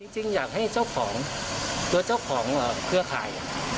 จริงอยากให้เจ้าของเจ้าของเพื่อขาย